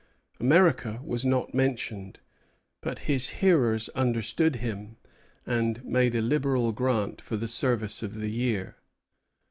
America was not mentioned; but his hearers understood him, and made a liberal grant for the service of the year.